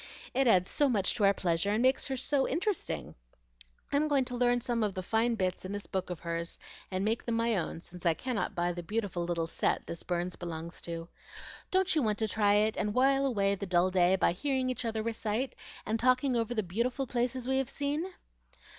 It adds so much to our pleasure, and makes her so interesting. I'm going to learn some of the fine bits in this book of hers, and make them my own, since I cannot buy the beautiful little set this Burns belongs to. Don't you want to try it, and while away the dull day by hearing each other recite and talking over the beautiful places we have seen?"